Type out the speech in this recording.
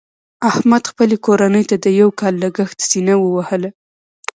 احمد خپلې کورنۍ ته د یو کال لګښت سینه ووهله.